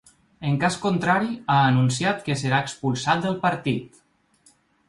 En cas contrari, ha anunciat que serà expulsat’del partit.